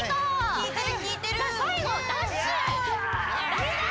きいてる！